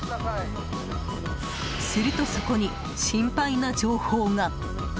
するとそこに、心配な情報が。